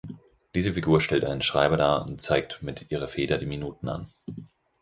Diese Figur stellt einen Schreiber dar und zeigt mit ihrer Feder die Minuten an.